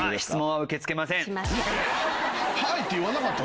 「はい」って言わなかった？